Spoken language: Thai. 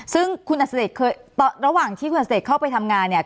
ซึ่งคุณอสเต็กต์เคยระหว่างที่เข้าไปทำงานเนี่ย